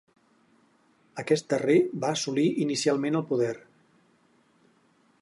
Aquest darrer va assolir inicialment el poder.